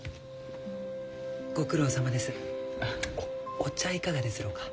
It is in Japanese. お茶いかがですろうか？